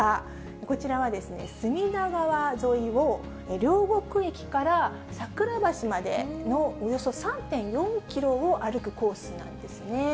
こちらは隅田川沿いを両国駅から桜橋までのおよそ３．４キロを歩くコースなんですね。